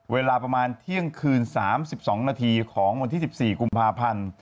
เวลาประมาณเที่ยงคืน๓๒นาทีของวันที่๑๔กุมภาพันธ์